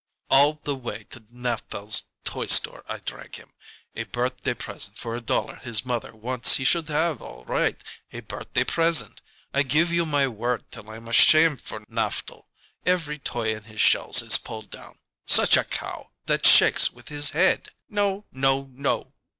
"All the way to Naftel's toy store I drag him. A birthday present for a dollar his mother wants he should have, all right, a birthday present! I give you my word till I'm ashamed for Naftel, every toy in his shelves is pulled down. Such a cow that shakes with his head " "No no no!"